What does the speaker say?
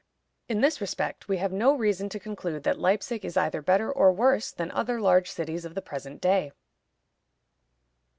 In this respect we have no reason to conclude that Leipzig is either better or worse than other large cities of the present day.